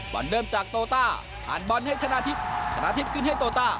เริ่มจากโตต้าผ่านบอลให้ธนาทิพย์ธนาทิพย์ขึ้นให้โตต้า